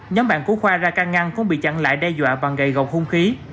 nhóm bạn của khoa ra can ngăn cũng bị chặn lại đe dọa bằng gậy gọc hung khí